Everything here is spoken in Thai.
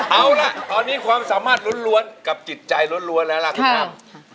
เอาละตอนนี้ความสามารถล้นล้วนกับจิตใจล้นล้วนแล้วล่ะครับ